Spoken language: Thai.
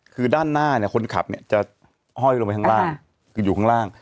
คือด้านหน้าเนี่ยคนขับเนี่ยจะห้อยลงไปข้างล่างคืออยู่ข้างล่าง